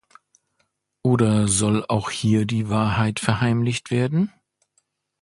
Oder soll auch hier die Wahrheit verheimlicht werden?